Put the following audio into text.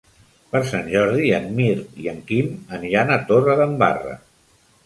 Per Sant Jordi en Mirt i en Quim aniran a Torredembarra.